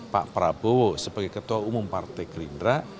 pak prabowo sebagai ketua umum partai gerindra